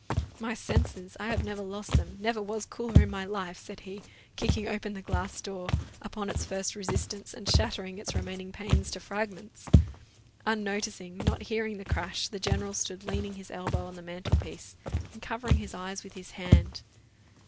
"My senses! I have never lost them; never was cooler in my life," said he, kicking open the glass door upon its first resistance, and shattering its remaining panes to fragments. Unnoticing, not hearing the crash, the general stood leaning his elbow on the mantel piece, and covering his eyes with his hand.